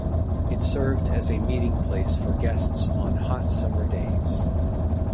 It served as a meeting place for guests on hot summer days.